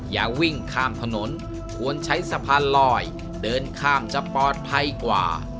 อย่าวิ่งข้ามถนนควรใช้สะพานลอยเดินข้ามจะปลอดภัยกว่า